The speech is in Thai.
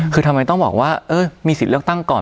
คือทำไมต้องบอกว่าเออมีสิทธิ์เลือกตั้งก่อน